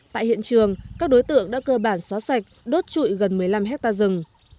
tại hiện trường các đối tượng đã cơ bản xóa sạch đốt trụi gần một mươi năm hectare rừng